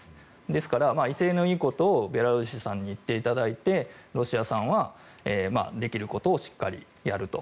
ですから威勢のいいことをベラルーシさんに言っていただいてロシアさんはできることをしっかりすると。